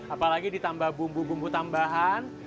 apalagi ditambah bumbu bumbu tambahan